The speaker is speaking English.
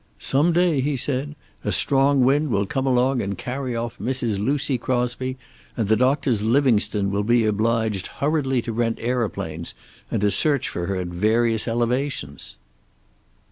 "Some day," he said, "a strong wind will come along and carry off Mrs. Lucy Crosby, and the Doctors Livingstone will be obliged hurriedly to rent aeroplanes, and to search for her at various elevations!"